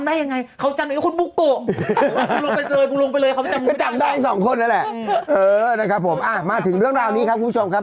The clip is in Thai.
ได้๒คนแล้วแหละเออนะครับผมมาถึงเรื่องราวนี้ครับคุณผู้ชมครับ